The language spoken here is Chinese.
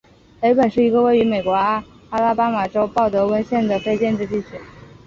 雷本是一个位于美国阿拉巴马州鲍德温县的非建制地区。